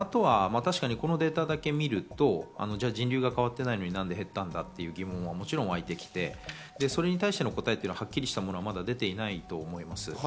あとはこのデータを見ると人流が変わっていないのに、なんで減ったんだという疑問はもちろんわいてきて、それに対しての答えははっきりしたものはまだ出ていないと思います。